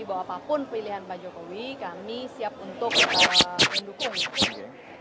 bahwa apapun pilihan pak jokowi kami siap untuk mendukung